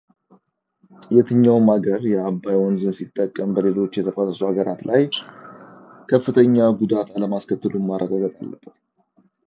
የትኛውም አገር የአባይ ወንዝን ሲጠቀም በሌሎች የተፋሰሱ አገራት ላይ ከፍተኛ ጉዳት አለማስከተሉን ማረጋገጥ አለበት።